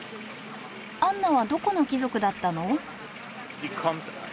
アンナはどこの貴族だったの？